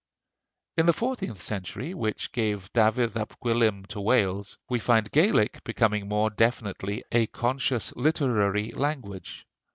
In the fourteenth century, which gave Dafydd ap Gwilym to Wales, we find Gaelic becoming more definitely a conscious literary language.